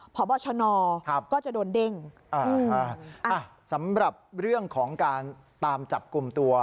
พบชนก็จะโดนเด้งอ่าฮะสำหรับเรื่องของการตามจับกลุ่มตัว